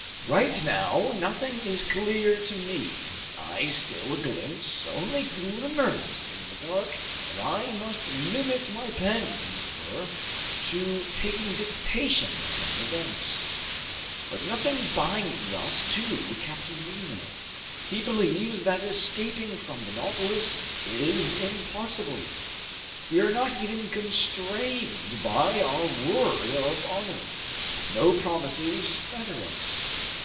Right now, nothing is clear to me, I still glimpse only glimmers in the dark, and I must limit my pen, as it were, to taking dictation from events. But nothing binds us to Captain Nemo. He believes that escaping from the Nautilus is impossible. We are not even constrained by our word of honor. No promises fetter us.